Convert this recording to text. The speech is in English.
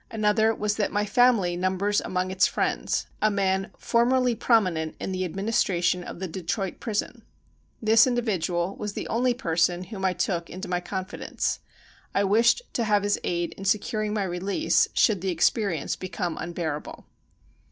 Another was that my family numbers among its friends — a man for merly prominent in the administration of the De troit prison. This individual was the only person whom I took into my confidence. I wished to have his aid in securing my release, should the ex perience become unbearable.